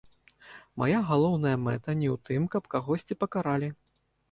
Мая галоўная мэта не ў тым, каб кагосьці пакаралі.